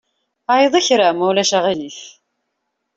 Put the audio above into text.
Ɛeyyeḍ kra ma ulac aɣilif.